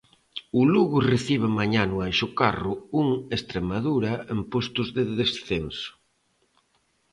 O Lugo recibe mañá no Anxo Carro un Estremadura en postos de descenso.